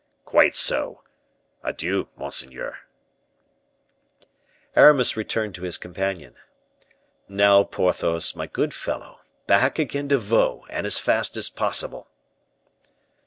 "Quite so. Adieu, monseigneur." Aramis returned to his companion. "Now, Porthos, my good fellow, back again to Vaux, and as fast as possible."